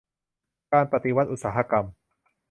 การปฏิวัติอุตสาหกรรม